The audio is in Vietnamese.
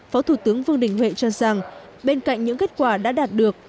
phó thủ tướng vương đình huệ cho rằng bên cạnh những kết quả đã đạt được